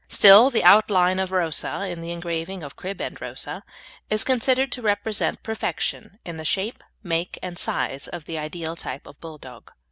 Still, the outline of Rosa in the engraving of Crib and Rosa, is considered to represent perfection in the shape, make, and size of the ideal type of Bulldog.